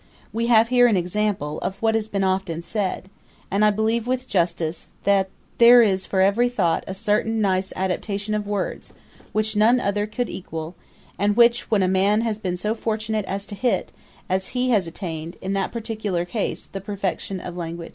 We have here an example of what has been often said, and I believe with justice, that there is for every thought a certain nice adaptation of words which none other could equal, and which, when a man has been so fortunate as to hit, he has attained, in that particular case, the perfection of language.